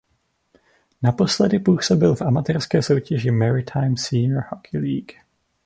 Naposledy působil v amatérské soutěži Maritime Senior Hockey League.